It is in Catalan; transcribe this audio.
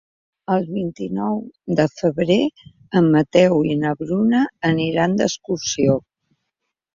El vint-i-nou de febrer en Mateu i na Bruna aniran d'excursió.